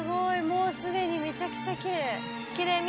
もうすでにめちゃくちゃきれい」「きれい。